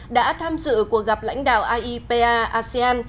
đã tham dự cuộc gặp lãnh đạo aipa asean